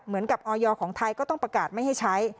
ออยของไทยก็ต้องประกาศไม่ให้ใช้